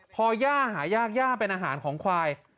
อย่าหายากย่าเป็นอาหารของควาย